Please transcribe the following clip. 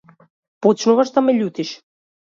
Почнуваш да ме лутиш.